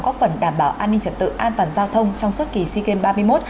có phần đảm bảo an ninh trật tự an toàn giao thông trong suốt kỳ sigem ba mươi một